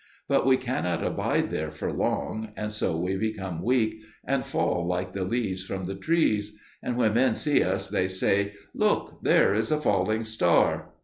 But we cannot abide there for long, and so we become weak, and fall like the leaves from the trees; and when men see us they say, 'Look, there is a falling star.'